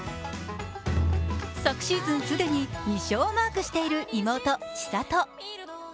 昨シーズン既に２勝をマークしている妹・千怜。